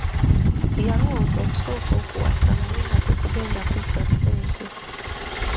Yalowooza okusooka okuwasa naye nga tekugenda kuzza ssente.